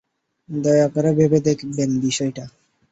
দয়া করে ভেবে দেখবেন বিষয়টা।